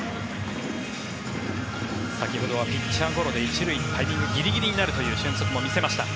先ほどはピッチャーゴロで１塁、タイミングがギリギリになるという俊足も見せました。